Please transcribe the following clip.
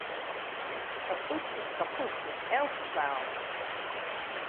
Kaput is kaput in elke taal!